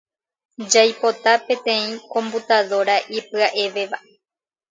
Jaipota peteĩ computadora ipya’evéva.